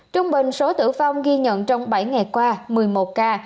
trung bình số tử vong ghi nhận trong bảy ngày qua một mươi một ca